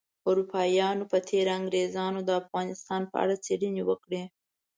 اروپایانو په تیره انګریزانو د افغانستان په اړه څیړنې وکړې